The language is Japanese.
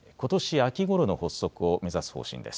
秋ごろの発足を目指す方針です。